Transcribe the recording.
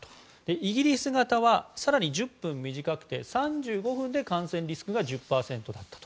イギリス型は更に１０分短くて３５分で感染リスクが１０％だったと。